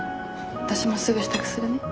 私もすぐ支度するね。